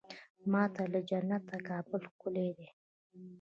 ما ته له جنته کابل ښکلی دی.